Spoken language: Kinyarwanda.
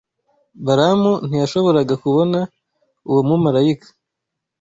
Balamu ntiyashoboraga kubona uwo mumarayika